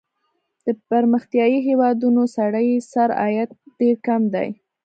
د پرمختیايي هېوادونو سړي سر عاید ډېر کم دی.